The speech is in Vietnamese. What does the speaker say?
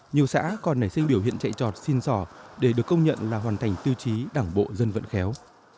nhiều xã còn nảy sinh biểu hiện chạy trọt xin sỏ để được công nhận là hoàn thành tiêu chí đảng bộ dân vận khéo